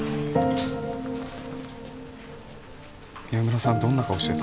宮村さんどんな顔してた？